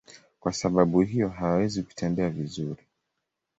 Kwa sababu hiyo hawawezi kutembea vizuri.